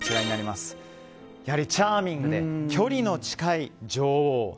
チャーミングで距離の近い女王。